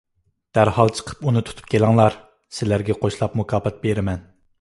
دەرھال چىقىپ ئۇنى تۇتۇپ كېلىڭلار. سىلەرگە قوشلاپ مۇكاپات بېرىمەن.